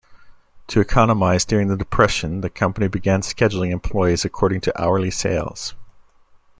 To economize during the Depression, the company began scheduling employees according to hourly sales.